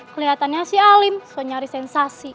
keliatannya sih alim so nyari sensasi